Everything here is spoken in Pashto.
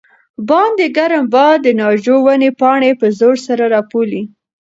باندې ګرم باد د ناجو ونې پاڼې په زور سره رپولې.